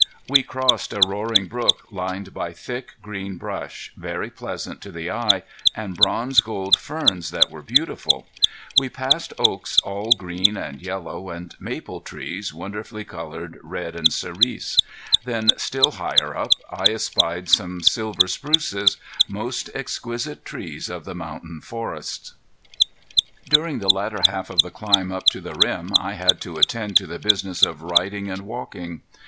We crossed a roaring brook lined by thick, green brush, very pleasant to the eye, and bronze gold ferns that were beautiful. We passed oaks all green and yellow, and maple trees, wonderfully colored red and cerise. Then still higher up I espied some silver spruces, most exquisite trees of the mountain forests. During the latter half of the climb up to the rim I had to attend to the business of riding and walking.